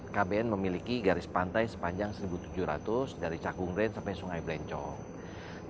kbn memiliki garis pantai sepanjang satu tujuh ratus dari cakung brand sampai sungai blencong